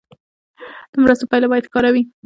د مرستو پایله باید ښکاره وي.